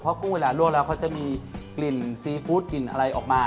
เพราะกุ้งเวลาลวกแล้วเขาจะมีกลิ่นซีฟู้ดกลิ่นอะไรออกมา